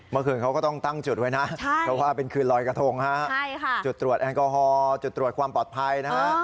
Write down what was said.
ฝั่งกลางคือรอยกระทงจุดตรวจแอลกอฮอล์จุดตรวจความปลอดภัย